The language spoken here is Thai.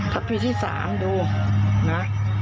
ทะพีที่สามดูนะ